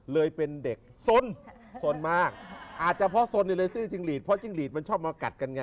เลยเป็นเด็กสนสนมากอาจจะเพราะสนอยู่เลยซื้อจิ้งหลีดเพราะจิ้งหลีดมันชอบมากัดกันไง